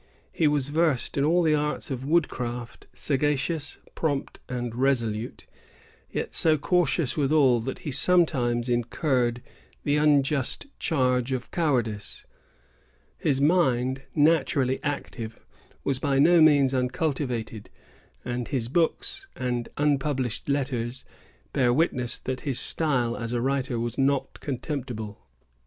He was versed in all the arts of woodcraft, sagacious, prompt, and resolute, yet so cautious withal that he sometimes incurred the unjust charge of cowardice. His mind, naturally active, was by no means uncultivated; and his books and unpublished letters bear witness that his style as a writer was not contemptible.